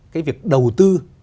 cái việc đầu tư